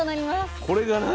これが何？